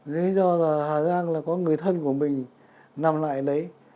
lý do là hà giang là có người thân của mình nằm lại đấy